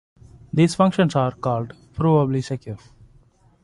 Those functions are called provably secure.